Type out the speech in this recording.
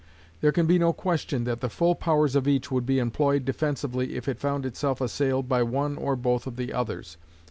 There can be no question that the full powers of each would be employed defensively if it found itself assailed by one or both of the others.